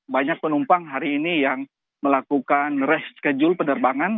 banyak penumpang hari ini yang melakukan reschedule penerbangan